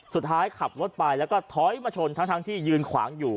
สุดท้ายขับรถไปแล้วก็ถอยมาชนทั้งที่ยืนขวางอยู่